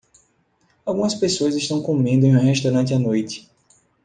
Algumas pessoas estão comendo em um restaurante à noite.